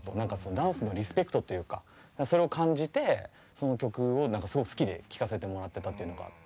ダンスのリスペクトというかそれを感じてその曲をすごく好きで聴かせてもらってたっていうのがあって。